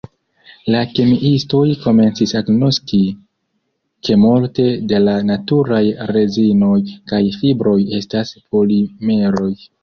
La kemiistoj komencis agnoski, ke multe de la naturaj rezinoj kaj fibroj estas polimeroj.